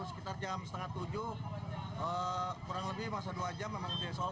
sekitar jam setengah tujuh kurang lebih masa dua jam memang di solve out